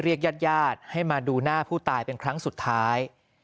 ญาติญาติให้มาดูหน้าผู้ตายเป็นครั้งสุดท้าย